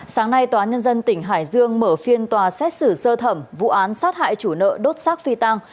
sáng nay tòa nhân dân tỉnh hải dương mở phiên tòa xét xử sơ thẩm vụ án sát hại chủ nợ đốt xác phi tăng